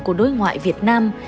của đối ngoại việt nam